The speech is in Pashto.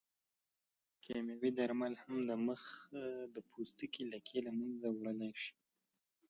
کیمیاوي درمل هم د مخ د پوستکي لکې له منځه وړلی شي.